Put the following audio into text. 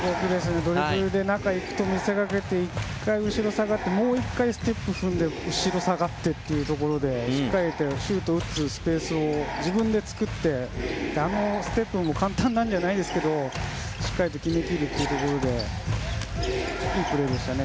ドリブルで中にいくと見せかけて１回、後ろに下がってもう１回、ステップを踏んで後ろに下がってというところでシュートを打つスペースを自分で作っていてあのステップも簡単じゃないですけどしっかりと決め切るところでいいプレーでしたね。